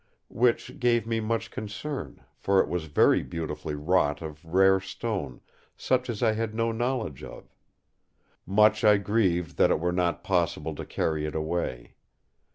Which gave me much concern, for it was very beautifully wrought of rare stone, such as I had no knowledge of. Much I grieved that it were not possible to carry it away.